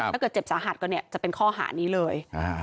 ถ้าเกิดเจ็บสาหัสก็เนี่ยจะเป็นข้อหานี้เลย